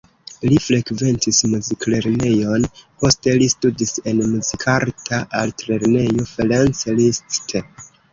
Li frekventis muziklernejon, poste li studis en Muzikarta Altlernejo Ferenc Liszt.